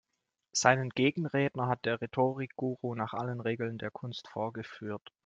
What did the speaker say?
Seinen Gegenredner hat der Rhetorik-Guru nach allen Regeln der Kunst vorgeführt.